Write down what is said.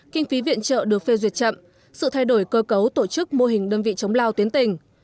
kinh phí viện trợ được phê duyệt chậm sự thay đổi cơ cấu tổ chức mô hình đơn vị chống lao tuyến tỉnh